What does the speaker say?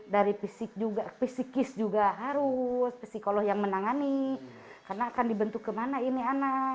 dari fisik juga fisikis juga harus psikolog yang menangani karena akan dibentuk kemana ini anak